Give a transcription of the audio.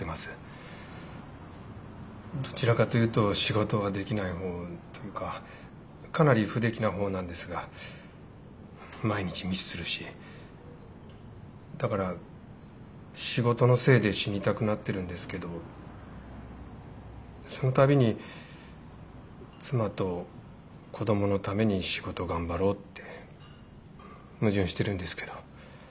どちらかというと仕事はできない方というかかなり不出来な方なんですが毎日ミスするしだから仕事のせいで死にたくなってるんですけどその度に妻と子供のために仕事頑張ろうって矛盾してるんですけど。